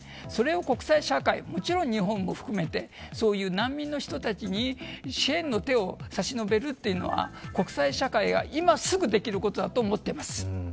それを国際社会、もちろん日本も含めてそういう難民の人たちに支援の手を差し伸べるというのは国際社会が今すぐできることだと思っています。